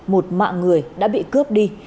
một mạng người đã bị cướp đi